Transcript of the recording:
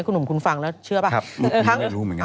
คุณหนุ่มคุณฟังแล้วเชื่อไหมครับครับไม่รู้เหมือนกัน